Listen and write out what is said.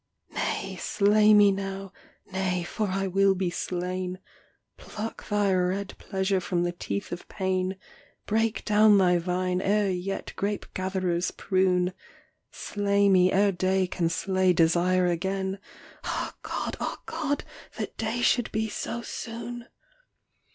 Nay, slay me now; nay, for I will be slain; Pluck thy red pleasure from the teeth of pain, Break down thy vine ere yet grape gatherers prune, Slay me ere day can slay desire again; Ah God, ah God, that day should be so soon.